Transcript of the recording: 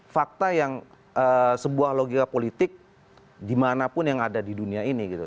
fakta yang sebuah logika politik dimanapun yang ada di dunia ini gitu